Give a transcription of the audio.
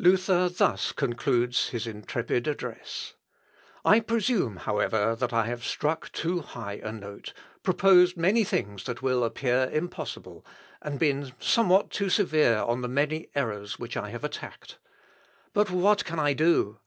Luther thus concludes his intrepid address. [Sidenote: BOOK NOT PUBLISHED.] "I presume, however, that I have struck too high a note, proposed many things that will appear impossible, and been somewhat too severe on the many errors which I have attacked. But what can I do?